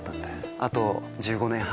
あと１５年半。